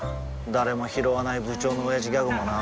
誰もひろわない部長のオヤジギャグもな